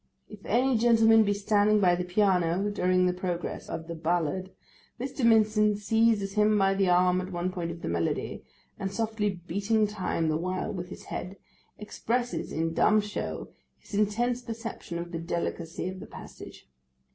If any gentleman be standing by the piano during the progress of the ballad, Mr. Mincin seizes him by the arm at one point of the melody, and softly beating time the while with his head, expresses in dumb show his intense perception of the delicacy of the passage.